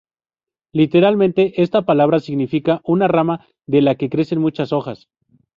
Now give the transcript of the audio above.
Literalmente, esta palabra significa "una rama de la que crecen muchas hojas.